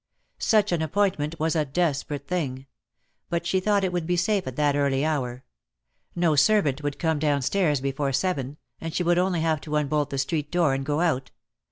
Such an appointment was a desperate thing; but she thought it would be safe at that early hour. No servant would come downstairs before seven, and she would only have to unbolt the street door and go out.